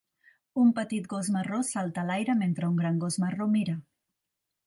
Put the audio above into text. Un petit gos marró salta a l'aire mentre un gran gos marró mira.